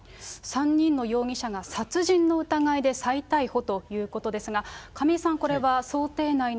３人の容疑者が殺人の疑いで再逮捕ということですが、亀井さん、